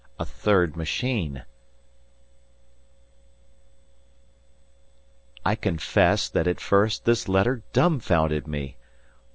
A THIRD MACHINE I confess that at first this letter dumfounded me.